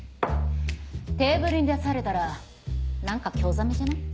テーブルに出されたら何か興ざめじゃない？